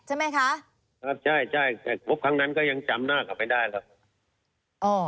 ใช่ไหมคะครับใช่ใช่แต่งบครั้งนั้นก็ยังจำหน้าเขาไม่ได้ครับอ๋อ